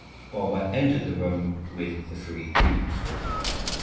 Bulba entered the room with the three Jews.